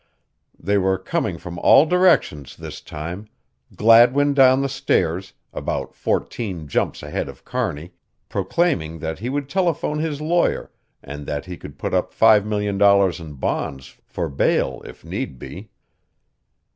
They were coming from all directions this time Gladwin down the stairs, about fourteen jumps ahead of Kearney, proclaiming that he would telephone his lawyer and that he could put up $5,000,000 in bonds for bail if need be.